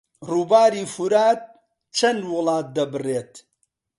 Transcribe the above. ڕووباری فورات چەند وڵات دەبڕێت؟